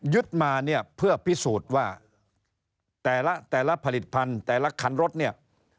มาเนี่ยเพื่อพิสูจน์ว่าแต่ละแต่ละผลิตภัณฑ์แต่ละคันรถเนี่ย